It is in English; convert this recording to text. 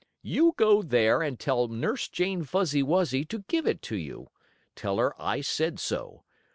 You go there and tell Nurse Jane Fuzzy Wuzzy to give it to you. Tell her I said so.